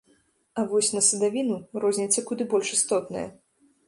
А вось на садавіну розніца куды больш істотная.